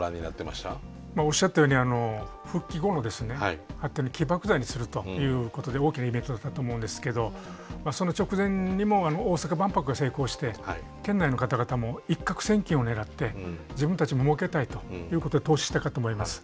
まあおっしゃったように復帰後の発展の起爆剤にするということで大きなイベントだったと思うんですけどその直前にも大阪万博が成功して県内の方々も一獲千金を狙って自分たちももうけたいということで投資したかと思います。